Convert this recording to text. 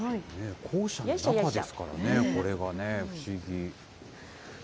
校舎の中ですからね、これがね、不思議。